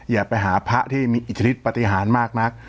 อย่าไปหาพระที่มีอิทธิฤทธปฏิหารมากนัก